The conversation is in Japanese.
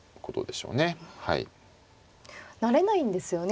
成れないんですよね